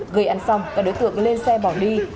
gây án xong các đối tượng lên xe bỏ đi